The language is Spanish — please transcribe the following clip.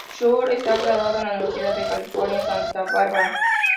Schulz está graduado en la Universidad de California, Santa Barbara.